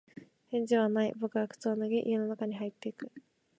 返事はない。僕は靴を脱ぎ、家の中に入っていく。